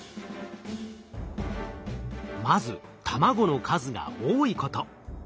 まず卵の数が多いこと。